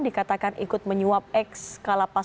dikatakan ikut menyuap eks kalapas